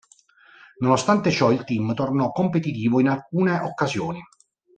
Nonostante ciò, il team tornò competitivo in alcune occasioni.